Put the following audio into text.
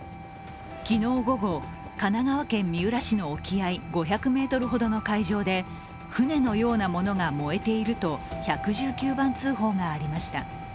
昨日午後、神奈川県三浦市の沖合５００ｍほどの海上で船のようなものが燃えていると１１９番通報がありました。